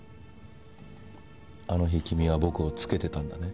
〔あの日君は僕をつけてたんだね〕